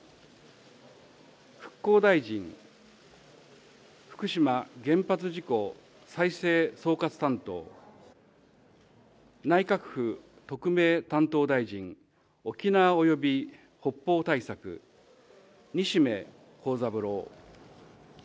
復興大臣、福島原発事故再生総括担当、内閣府特命担当大臣、沖縄および北方対策、西銘恒三郎。